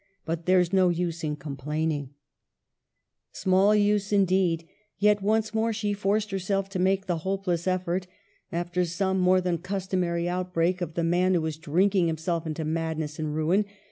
But there's no use in complaining —" Small use indeed ; yet once more she forced herself to make the hopeless effort, after some more than customary outbreak of the man who was drinking himself into madness and ruin.